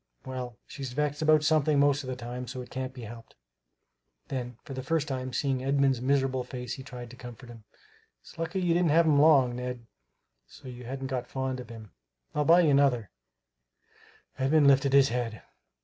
Well, she's vexed about something most of the time, so it can't be helped!" Then, for the first time seeing Edmund's miserable face, he tried to comfort him. "It's lucky you didn't have him long, Ned, so you hadn't got fond of him. And I'll buy you another" Edmund lifted his head.